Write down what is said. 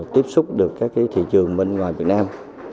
tiếp xúc được các thị trường bên ngoài việt nam